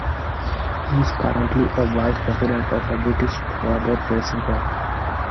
He is currently a Vice President of the British Powerboat Racing Club.